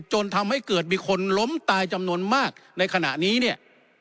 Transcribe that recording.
จนทำให้เกิดมีคนล้มตายจำนวนมากในขณะนี้เนี่ย